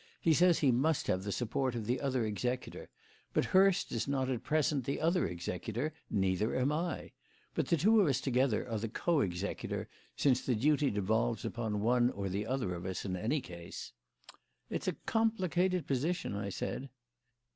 He says he must have the support of the other executor. But Hurst is not at present the other executor; neither am I. But the two of us together are the co executor, since the duty devolves upon one or other of us, in any case." "It's a complicated position," I said.